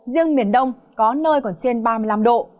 riêng miền đông có nơi còn trên ba mươi năm độ